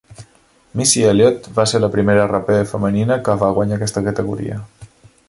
Missy Elliott va ser la primera raper femenina que va guanyar aquesta categoria.